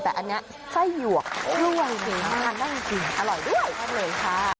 แต่อันเนี้ยไส้หยวกด้วยอร่อยด้วยค่ะ